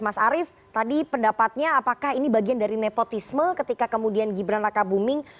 mas arief tadi pendapatnya apakah ini bagian dari nepotisme ketika kemudian gibran raka buming